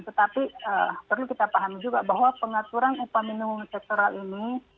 tetapi perlu kita paham juga bahwa pengaturan upaminumum sektor ini